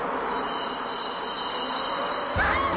あっ！